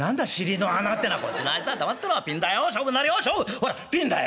ほらピンだ」。